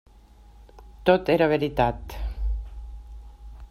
Tot era veritat.